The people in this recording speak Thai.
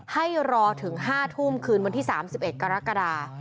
ให้รอถึง๕ทุ่มคืนวันที่๓๑กรกฎา